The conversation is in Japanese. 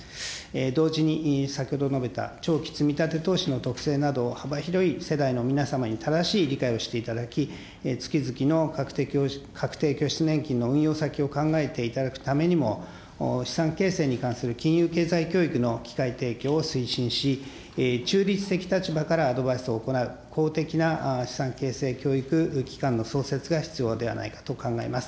同時に、先ほど述べた長期積み立て投資の特性などを幅広い世代の皆様に正しい理解をしていただき、月々の確定拠出年金の運用先を考えていただくためにも、資産形成に関する金融経済教育の機会提供を推進し、中立的立場からアドバイスを行う、公的な資産形成教育機関の創設が必要ではないかと考えます。